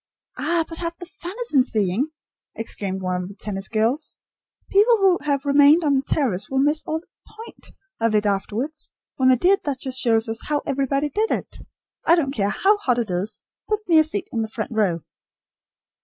"Ah, but half the fun is in seeing," exclaimed one of the tennis girls. "People who have remained on the terrace will miss all the point of it afterwards when the dear duchess shows us how everybody did it. I don't care how hot it is. Book me a seat in the front row!"